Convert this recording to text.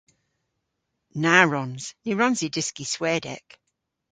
Na wrons. Ny wrons i dyski Swedek.